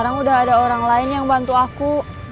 gak ada orang lain yang bantu aku